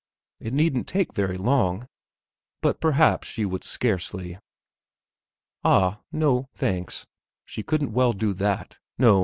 ... it needn't take very long ... but perhaps she would scarcely.... Ah, no, thanks; she couldn't well do that. No!